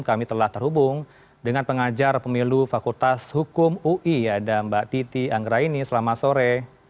kami telah terhubung dengan pengajar pemilu fakultas hukum ui ada mbak titi anggraini selamat sore